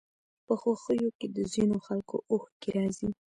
په خوښيو کې د ځينو خلکو اوښکې راځي.